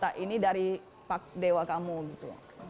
ya kita ini dari dewa kamu gitu